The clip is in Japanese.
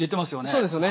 そうですよね。